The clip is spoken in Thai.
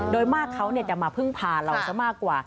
โดยมากเขาจะมาพึ่งพาเราซะมากกว่า